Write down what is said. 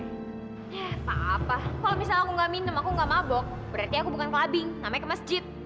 apa apa kalau misalnya aku gak minum aku gak mabok berarti aku bukan clubbing namanya ke masjid